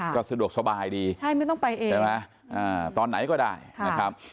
ก็สะดวกสบายดีใช่ไม่ต้องไปเองใช่ไหมตอนไหนก็ได้นะครับ